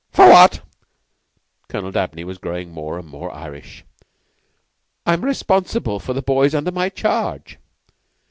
"F'what?" Colonel Dabney was growing more and more Irish. "I'm responsible for the boys under my charge."